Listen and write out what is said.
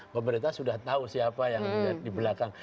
pemerintah sudah tahu siapa yang ada di belakang